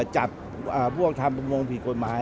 จับพวกทำประมงผิดกฎหมาย